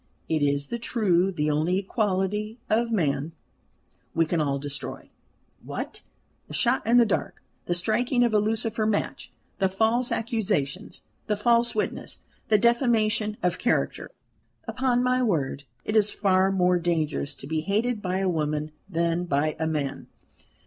It is the true, the only Equality of Man we can all destroy. What? a shot in the dark; the striking of a lucifer match; the false accusation; the false witness; the defamation of character; upon my word, it is far more dangerous to be hated by a woman than by a man.